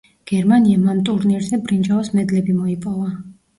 გერმანიამ ამ ტურნირზე ბრინჯაოს მედლები მოიპოვა.